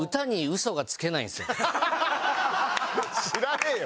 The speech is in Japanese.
知らねえよ。